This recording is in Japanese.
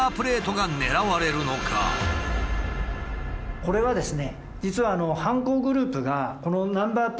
これはですね